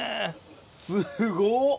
すごっ！